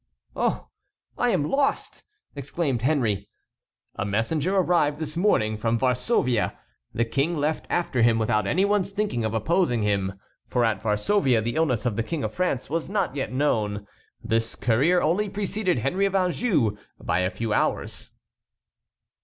"Oh! I am lost!" exclaimed Henry. "A messenger arrived this morning from Varsovia. The king left after him without any one's thinking of opposing him, for at Varsovia the illness of the King of France was not yet known. This courier only preceded Henry of Anjou by a few hours."